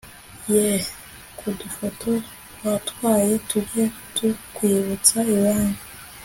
yeee ku dufoto watwaye tujye tukwibutsa iwanyu